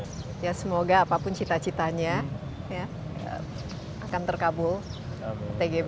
semoga apapun cita citanya akan terkabul tgb